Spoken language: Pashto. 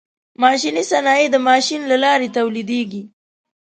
ماشیني صنایع د ماشین له لارې تولیدیږي.